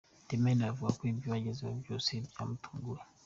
The Ben avuga ko ibyo agezeho byose byamutunguye.